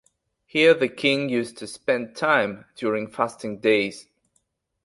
Here the King used to spend time during fasting days.